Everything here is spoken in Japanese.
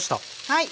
はい。